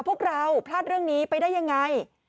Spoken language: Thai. พวกเราพลาดเรื่องนี้ไปได้ยังไง